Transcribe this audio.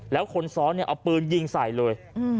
แล้วคนซ้อนเนี่ยเอาปืนยิงใส่เลย